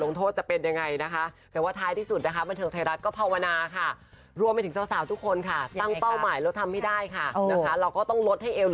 ขอบคุณครับ